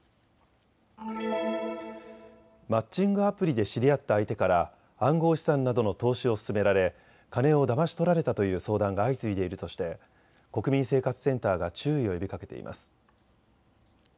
マッチングアプリで知り合った相手から暗号資産などの投資を勧められ金をだまし取られたという相談が相次いでいるとして国民生活センターが注意を呼びかけています。